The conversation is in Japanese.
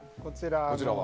こちらは？